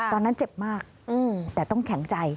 ตอนนั้นเจ็บมากแต่ต้องแข็งใจ